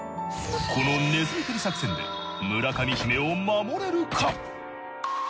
このねずみ捕り作戦で村上姫を守れるか？